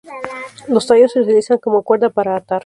Los tallos se utilizan como cuerda para atar.